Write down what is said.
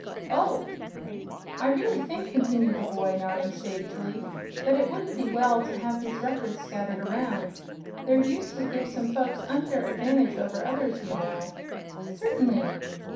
"Oh!" "I really think," continued the boy, nodding sagely, "that it wouldn't be well to have these Records scattered around. Their use would give some folks unfair advantage over others, you know." "Certainly."